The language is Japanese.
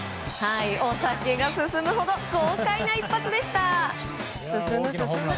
お酒が進むほど豪快な一発でした。